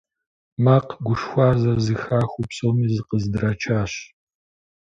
Макъ гушхуар зэрызэхахыу, псоми зыкъыздрачащ.